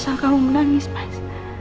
maksal kamu menangis mas